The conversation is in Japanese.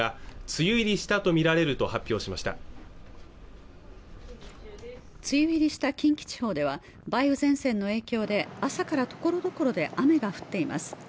梅雨入りした近畿地方では梅雨前線の影響で朝からところどころで雨が降っています